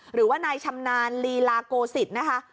หรือว่านายชำนาญลีลาโกศิษย์นะคะ